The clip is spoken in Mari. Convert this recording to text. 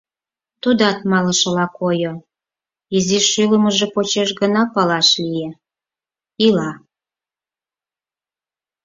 Тудат малышыла койо, изиш шӱлымыжӧ почеш гына палаш лие — ила.